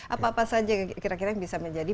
apa apa saja kira kira yang bisa menjadi